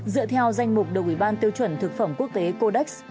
dựa theo danh mục đầu ủy ban tiêu chuẩn thực phẩm quốc tế codex